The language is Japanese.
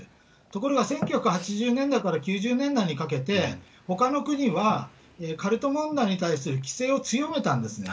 ところが１９８０年代から９０年代にかけて、ほかの国は、カルト問題に対する規制を強めたんですね。